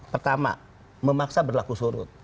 pertama memaksa berlaku surut